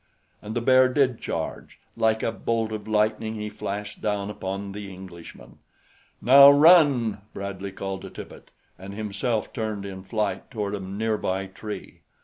And the bear did charge. Like a bolt of lightning he flashed down upon the Englishman. "Now run!" Bradley called to Tippet and himself turned in flight toward a nearby tree.